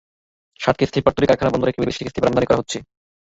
ছাতকে slipper তৈরি কারখানা বন্ধ রেখে বিদেশ থেকে স্লিপার আমদানি করা হচ্ছে।